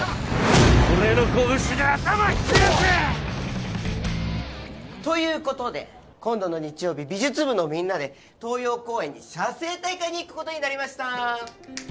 俺の拳で頭冷やせ！ということで今度の日曜日美術部のみんなで東葉公園に写生大会に行くことになりました。